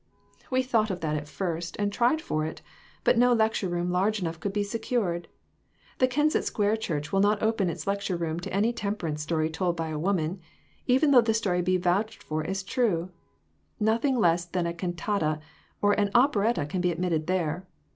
"We thought of that at first, and tried for it; but no lecture room large enough could be secured. The Kensett Square church will not open its lecture room to a temperance story told by a woman ; even though the story be vouched for as true. Nothing less than a cantata, or an ope retta can be admitted there.